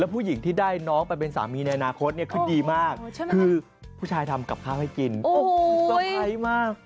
ผู้หญิงที่ได้น้องไปเป็นสามีในอนาคตเนี่ยคือดีมากคือผู้ชายทำกับข้าวให้กินโอ้โหเตอร์ไพรส์มาก